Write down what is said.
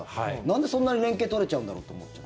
なんでそんなに連係取れちゃうんだろうと思って。